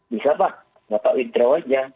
bisa pak dapat withdraw aja